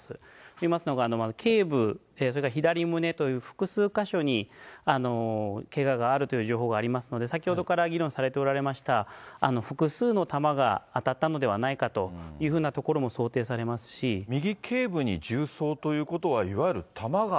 といいますのは、けい部、それから左胸という複数箇所にけががあるという情報がありますので、先ほどから議論されておられました、複数の弾が当たったのではないかというふうなところも想定されま右けい部に銃創ということは、いわゆる弾が。